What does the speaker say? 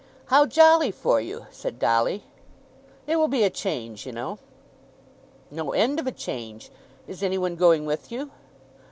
"How jolly for you!" said Dolly. "It will be a change, you know." "No end of a change. Is any one going with you?"